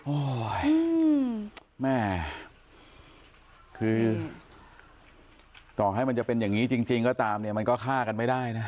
โอ้โหแม่คือต่อให้มันจะเป็นอย่างนี้จริงก็ตามเนี่ยมันก็ฆ่ากันไม่ได้นะ